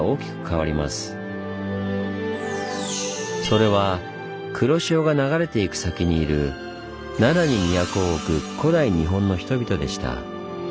それは黒潮が流れていく先にいる奈良に都を置く古代日本の人々でした。